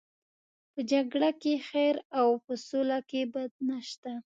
په جګړه کې خیر او په سوله کې بد نشته.